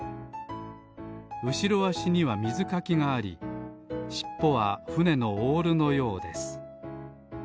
うしろあしにはみずかきがありしっぽはふねのオールのようです。